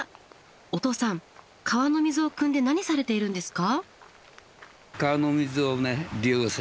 おとうさん川の水をくんで何されているんですか？